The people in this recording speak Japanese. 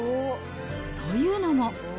というのも。